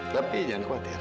tapi jangan khawatir